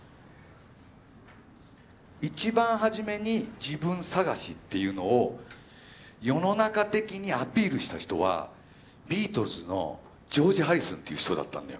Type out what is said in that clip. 一番初めに自分探しっていうのを世の中的にアピールした人はビートルズのジョージ・ハリスンっていう人だったんだよ。